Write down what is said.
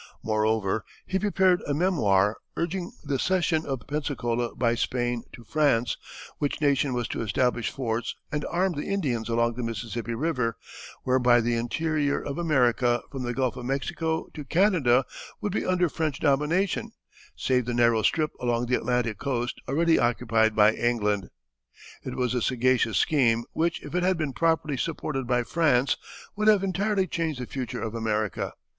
Moreover, he prepared a memoir urging the cession of Pensacola by Spain to France, which nation was to establish forts and arm the Indians along the Mississippi River, whereby the interior of America from the Gulf of Mexico to Canada would be under French domination, save the narrow strip along the Atlantic coast already occupied by England. It was a sagacious scheme which if it had been properly supported by France would have entirely changed the future of America.